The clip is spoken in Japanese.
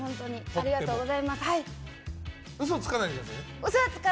ありがとうございます。